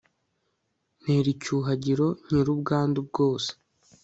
ntera icyuhagiro, nkire ubwandu bwose